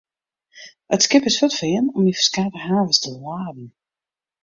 It skip is fuortfearn om yn ferskate havens te laden.